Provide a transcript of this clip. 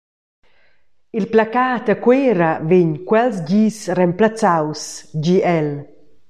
Il placat a Cuera vegn quels gis remplazzaus», gi el.